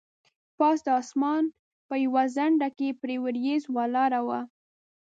پاس د اسمان په یوه څنډه کې پرې وریځ ولاړه وه.